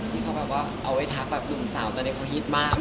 ที่เขาแบบว่าเอาไว้ทักแบบหนุ่มสาวตอนนี้เขาฮิตมาก